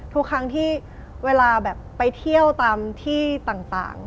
ทุกครั้งที่เวลาแบบไปเที่ยวตามที่ต่าง